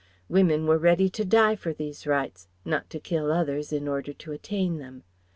Women were ready to die for these rights (not to kill others in order to attain them).